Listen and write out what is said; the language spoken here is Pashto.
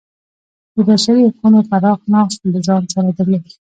د بشري حقونو پراخ نقض له ځان سره درلود.